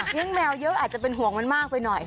แมวเยอะอาจจะเป็นห่วงมันมากไปหน่อย